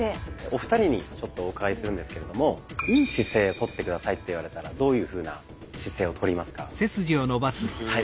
お二人にちょっとお伺いするんですけれども「良い姿勢」とって下さいって言われたらどういうふうな姿勢をとりますか？